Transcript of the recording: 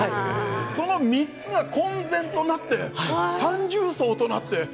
その３つが混然となって三重奏となって。